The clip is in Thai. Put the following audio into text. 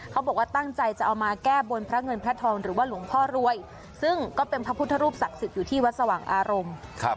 เขาบอกว่าตั้งใจจะเอามาแก้บนพระเงินพระทองหรือว่าหลวงพ่อรวยซึ่งก็เป็นพระพุทธรูปศักดิ์สิทธิ์อยู่ที่วัดสว่างอารมณ์